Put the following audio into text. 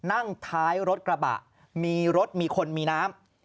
หามนั่งถ่ายรถกระบาดมีรถมีคนมีน้ำ